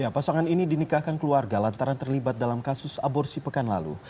pasangan ini dinikahkan keluarga lantaran terlibat dalam kasus aborsi pekan lalu